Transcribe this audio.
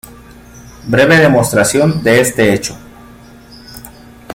Breve demostración de este hecho.